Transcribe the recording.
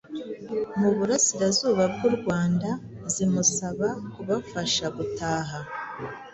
mu burasirazuba bw'u Rwanda zimusaba kubafasha gutaha,